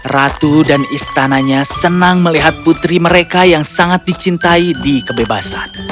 ratu dan istananya senang melihat putri mereka yang sangat dicintai di kebebasan